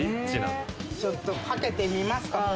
ちょっとかけてみますか。